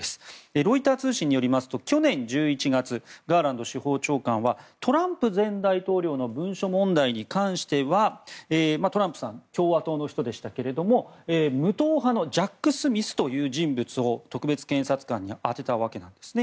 ロイター通信によりますと去年１１月ガーランド司法長官はトランプ前大統領の文書問題に関してはトランプさん共和党の人でしたけれども無党派のジャック・スミス氏という人物を特別検察官に充てたわけなんですね。